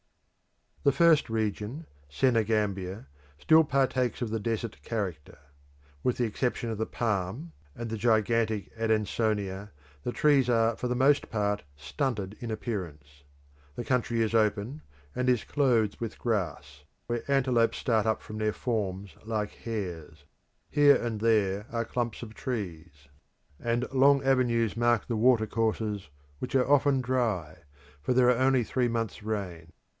The first region, Senegambia, still partakes of the desert character. With the exception of the palm and the gigantic Adansonia, the trees are for the most part stunted in appearance. The country is open, and is clothed with grass, where antelopes start up from their forms like hares. Here and there are clumps of trees, and long avenues mark the water courses, which are often dry, for there are only three months' rain.